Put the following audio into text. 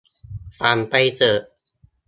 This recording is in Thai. ฝันไปเถิด !